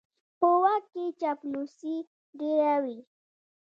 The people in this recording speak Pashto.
په واک کې چاپلوسي ډېره وي.